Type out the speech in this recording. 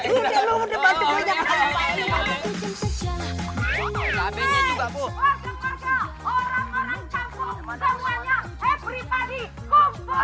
orang orang campur semuanya